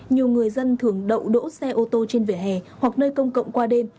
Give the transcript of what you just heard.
nhiều người dân thường đậu đỗ xe ô tô trên vỉa hè hoặc nơi công cộng quay